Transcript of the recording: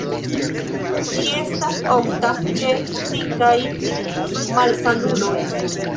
Ĝi estas ofta ĉe psikaj malsanuloj.